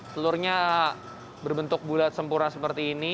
telurnya berbentuk bulat sempurna seperti ini